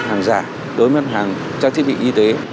hàng giả đối với mặt hàng trang thiết bị y tế